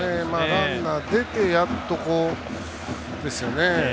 ランナー出てやっとですよね。